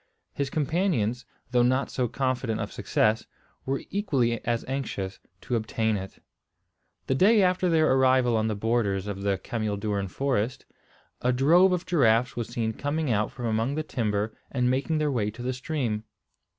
His companions, though not so confident of success, were equally as anxious to obtain it. The day after their arrival on the borders of the cameel doorn forest, a drove of giraffes was seen coming out from among the timber and making their way to the stream.